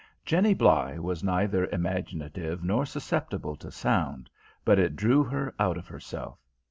Jenny Bligh was neither imaginative nor susceptible to sound, but it drew her out of herself.